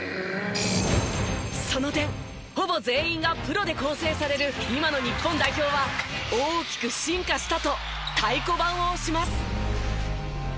その点ほぼ全員がプロで構成される今の日本代表は大きく進化したと太鼓判を押します。